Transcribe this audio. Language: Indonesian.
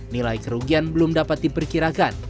nilai kerugian belum dapat diperkirakan